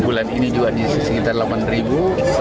bulan ini juga di sekitar delapan ribu